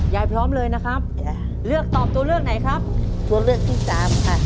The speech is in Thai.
พร้อมเลยนะครับยายเลือกตอบตัวเลือกไหนครับตัวเลือกที่สามค่ะ